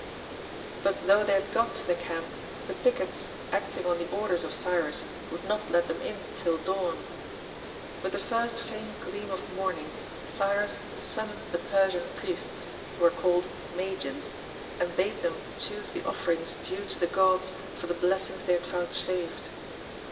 But though they had got to the camp, the pickets, acting on the orders of Cyrus, would not let them in till dawn. With the first faint gleam of morning Cyrus summoned the Persian Priests, who are called Magians, and bade them choose the offerings due to the gods for the blessings they had vouchsafed.